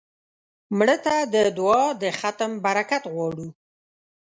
مړه ته د دعا د ختم برکت غواړو